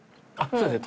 そうですね。